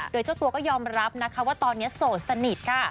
โดยเจ้าตัวก็ยอมรับนะคะว่าตอนนี้โสดสนิทค่ะ